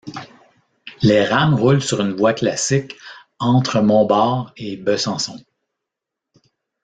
Les rames roulent sur une voie classique entre Montbard et Besançon.